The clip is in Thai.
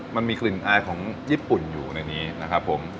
มันมีกลิ่นอายของญี่ปุ่นอยู่ในนี้นะครับผม